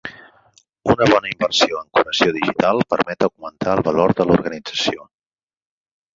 Una bona inversió en curació digital permet augmentar el valor de l'organització.